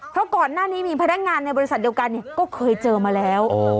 เพราะก่อนหน้านี้มีพนักงานในบริษัทเดียวกันก็เคยเจอมาแล้ว